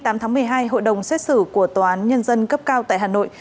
sáng nay ngày hai mươi tám tháng một mươi hai hội đồng xét xử của tòa án nhân dân cấp cao tại hà nội